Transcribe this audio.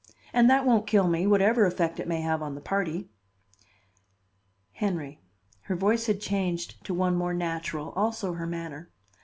And that won't kill me, whatever effect it may have on the party." "Henry," her voice had changed to one more natural, also her manner.